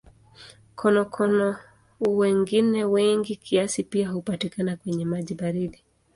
Konokono wengine wengi kiasi pia hupatikana kwenye maji baridi.